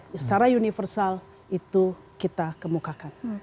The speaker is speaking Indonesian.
secara universal itu kita kemukakan